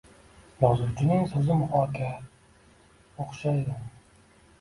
Yozuvchining so’zi mohakka o’xshaydi.